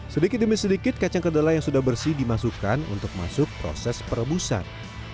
sedikit demi sedikit kacang kedelai yang sudah bersih dimasukkan untuk masuk proses perebusan